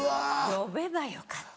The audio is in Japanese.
呼べばよかった。